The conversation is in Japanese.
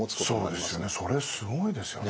それすごいですよね。